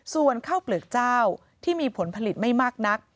ส่วนข้าวเปลือกเจ้าที่มีผลผลิตไม่มากนัก